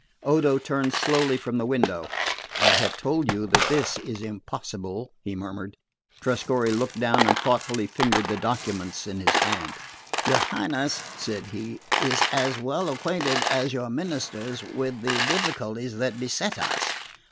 Odo turned slowly from the window. "I have told you that this is impossible," he murmured. Trescorre looked down and thoughtfully fingered the documents in his hands. "Your Highness," said he, "is as well acquainted as your ministers with the difficulties that beset us.